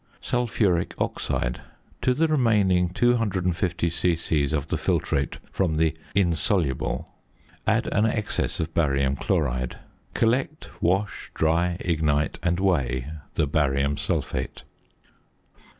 ~Sulphuric Oxide.~ To the remaining 250 c.c. of the filtrate from the "insoluble," add an excess of barium chloride. Collect, wash, dry, ignite, and weigh the barium sulphate.